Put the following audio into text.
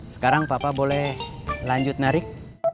sekarang papa boleh lanjut narik